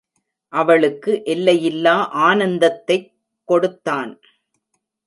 அவளுக்கு எல்லையில்லா ஆனந்தத்தைக் கொடுத்தான்.